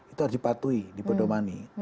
itu harus dipatuhi di pedoman